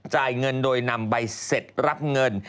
จ่ายเงินโดยนำใบเสร็จรับเงิน